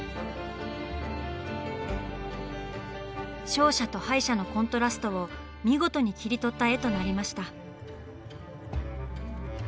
勝者と敗者のコントラストを見事に切り取った絵となりました。